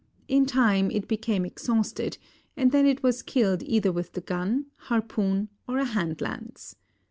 In time it became exhausted and then it was killed either with the gun, harpoon or a hand lance.